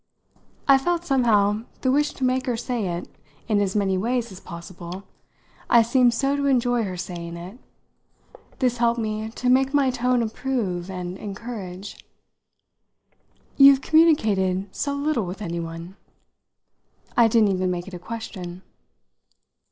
I felt somehow the wish to make her say it in as many ways as possible I seemed so to enjoy her saying it. This helped me to make my tone approve and encourage. "You've communicated so little with anyone!" I didn't even make it a question.